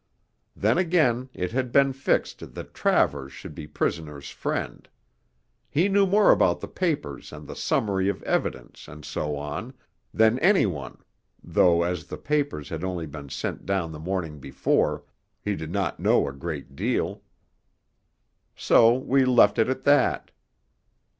Then again it had been fixed that Travers should be Prisoner's Friend; he knew more about the Papers and the Summary of Evidence, and so on, than any one (though as the papers had only been sent down the morning before, he did not know a great deal). So we left it at that.